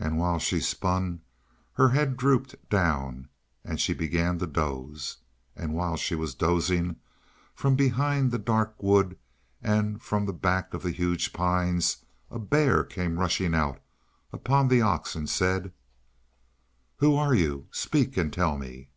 And while she spun, her head drooped down and she began to doze, and while she was dozing, from behind the dark wood and from the back of the huge pines a bear came rushing out upon the ox and said: "Who are you? Speak, and tell me!"